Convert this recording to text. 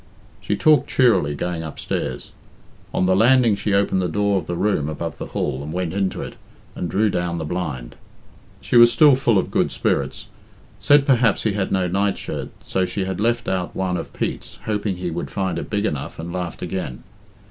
She talked cheerily going upstairs. On the landing she opened the door of the room above the hall, and went into it, and drew down the blind. She was still full of good spirits, said perhaps he had no night shirt, so she had left out one of Pete's, hoped he would find it big enough, and laughed again.